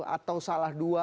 atau salah dua